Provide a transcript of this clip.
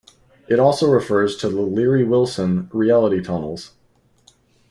It also refers to the Leary-Wilson reality-tunnels.